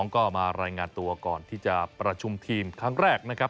ก็มารายงานตัวก่อนที่จะประชุมทีมครั้งแรกนะครับ